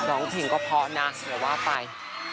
น้องผิงก็พอนะเดี๋ยวว่าไป